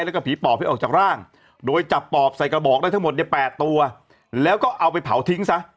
แล้วก็ผีปอบให้ออกจากร่างโดยจับปอบใส่กระบอกได้ทั้งหมดเนี่ย๘ตัวแล้วก็เอาไปเผาทิ้งซะ